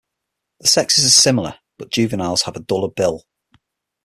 The sexes are similar, but juveniles have a duller bill.